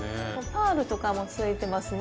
パールとかもついてますね。